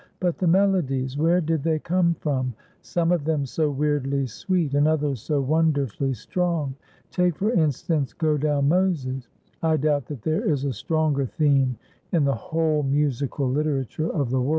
But the melodies, where did they come from? Some of them so weirdly sweet, and others so wonderfully strong. Take, for instance, "Go Down, Moses"; I doubt that there is a stronger theme in the whole musical literature of the world.